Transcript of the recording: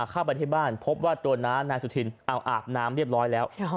เข้าไปที่บ้านพบว่าตัวน้านายสุธินเอาอาบน้ำเรียบร้อยแล้ว